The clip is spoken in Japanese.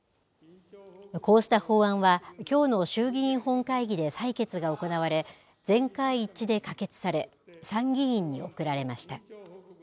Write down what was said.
こうした法案は、きょうの衆議院本会議で採決が行われ、全会一致で可決され、参議院に送られました。